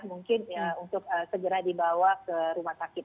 mungkin untuk segera dibawa ke rumah sakit